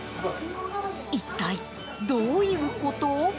一体、どういうこと？